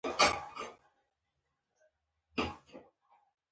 دوی نه مسلمانان وو او نه افغانان.